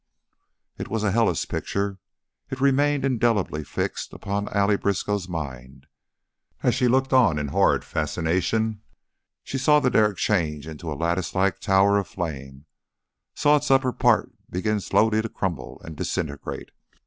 It was a hellish picture; it remained indelibly fixed upon Allie Briskow's mind. As she looked on in horrid fascination, she saw the derrick change into a latticelike tower of flame, saw its upper part begin slowly to crumble and disintegrate.